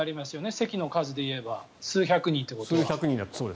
席の数でいえば数百人ということは。